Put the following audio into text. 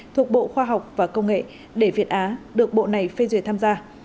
thuộc bộ khoa học và công nghệ để việt á được bộ này phê duyệt tham gia